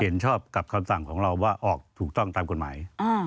เห็นชอบกับคำสั่งของเราว่าออกถูกต้องตามกฎหมาย